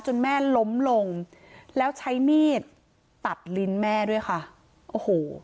แม่ล้มลงแล้วใช้มีดตัดลิ้นแม่ด้วยค่ะโอ้โห